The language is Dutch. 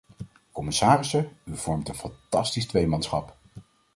Commissarissen, u vormt een fantastisch tweemanschap.